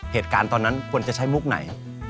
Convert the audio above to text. เหตุการณ์ตอนนั้นควรจะใช้มุกไหน